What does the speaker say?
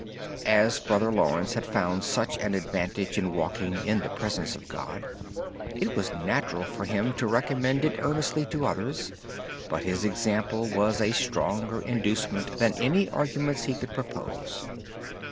As Brother Lawrence had found such an advantage in walking in the presence of God, it was natural for him to recommend it earnestly to others. More strikingly, his example was a stronger inducement than any arguments he could propose.